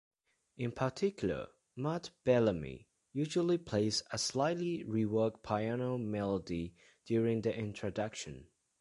In particular, Matt Bellamy usually plays a slightly re-worked piano melody during the introduction.